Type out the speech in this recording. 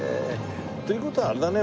という事はあれだね。